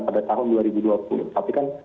pada tahun dua ribu dua puluh tapi kan